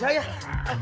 tidak boleh benar gulis